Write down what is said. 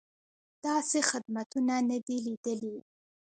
داسې خدمتونه نه دي لیدلي.